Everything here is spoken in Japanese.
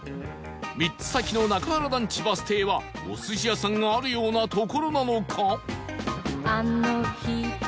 ３つ先の中原団地バス停はお寿司屋さんがあるような所なのか？